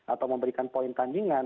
atau memberikan poin tandingan